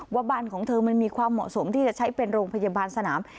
ว่าบ้านของเธอมันมีความเหมาะสมที่จะใช้เป็นโรงพยาบาลสนาม